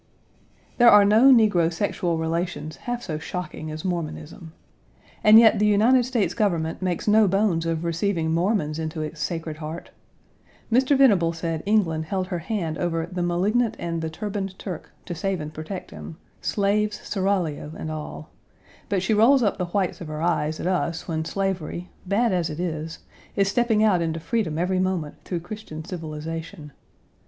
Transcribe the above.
There are no negro sexual relations half so shocking as Mormonism. And yet the United States Government makes no bones of receiving Mormons into its sacred heart. Mr. Venable said England held her hand over "the malignant and the turbaned Turk" to save and protect him, slaves, seraglio, and all. But she rolls up the whites of her eyes at us when slavery, bad as it is, is stepping out into freedom every moment through Christian civilization.